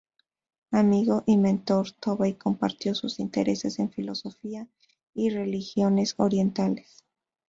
Amigo y mentor, Tobey compartió sus intereses en filosofía y religiones orientales.